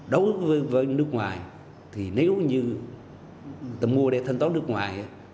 đấu với nước ngoài thì nếu như tầm mùa để thanh toán nước ngoài